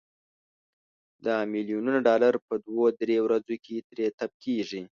دا ملیونونه ډالر په دوه درې ورځو کې تري تم کیږي.